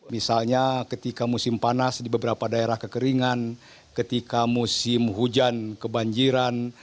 misalnya ketika musim panas di beberapa daerah kekeringan ketika musim hujan kebanjiran